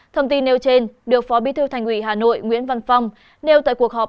thông tin nêu trên được phó bí thư thành ủy hà nội nguyễn văn phong nêu tại cuộc họp